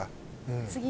うん。